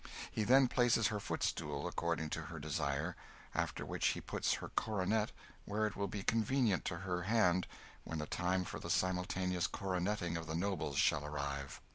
He then places her footstool according to her desire, after which he puts her coronet where it will be convenient to her hand when the time for the simultaneous coroneting of the nobles shall arrive.